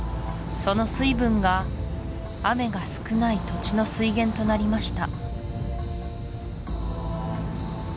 その水分が雨が少ない土地の水源となりました